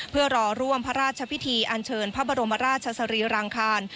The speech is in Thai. เพื่อรอร่วมพระราชพิธีอันเชิญพระบรมราชสรีรางคาร